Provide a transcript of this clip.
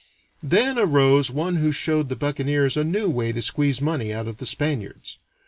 Then arose one who showed the buccaneers a new way to squeeze money out of the Spaniards.